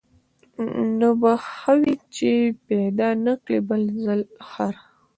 نو به ښه وي چي پیدا نه کړې بل ځل خر